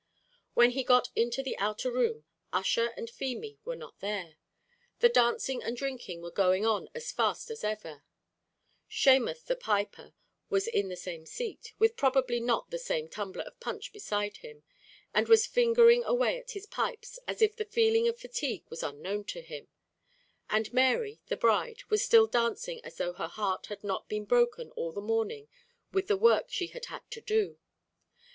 When he got into the outer room, Ussher and Feemy were not there. The dancing and drinking were going on as fast as ever; Shamuth, the piper, was in the same seat, with probably not the same tumbler of punch beside him, and was fingering away at his pipes as if the feeling of fatigue was unknown to him; and Mary, the bride, was still dancing as though her heart had not been broken all the morning with the work she had had to do.